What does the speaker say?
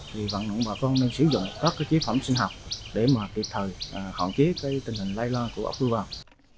thì vận động bà con nên sử dụng các chế phẩm sinh học để kịp thời hoàn chiếc tình hình lay loa của ốc biêu vàng